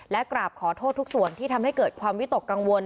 และกราบขอโทษทุกส่วนที่ทำให้เกิดความวิตกกังวล